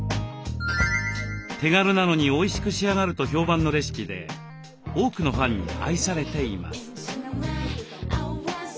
手軽なのにおいしく仕上がると評判のレシピで多くのファンに愛されています。